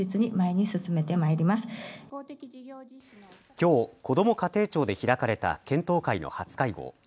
きょう、こども家庭庁で開かれた検討会の初会合。